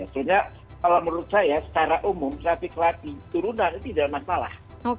sebenarnya kalau menurut saya secara umum traffic light di turunan itu tidak masalah